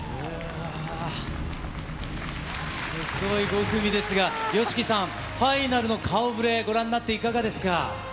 すごい５組ですが、ＹＯＳＨＩＫＩさん、ファイナルの顔ぶれ、ご覧になっていかがですか。